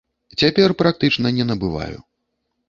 Цяпер практычна не набываю.